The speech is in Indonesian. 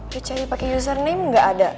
dia cari pakai username gak ada